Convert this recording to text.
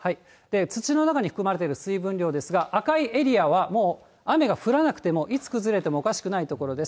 土の中に含まれている水分量ですが、赤いエリアはもう雨が降らなくても、いつ崩れてもおかしくない所です。